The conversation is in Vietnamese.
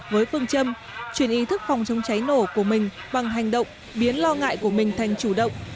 với phương châm chuyển ý thức phòng chống cháy nổ của mình bằng hành động biến lo ngại của mình thành chủ động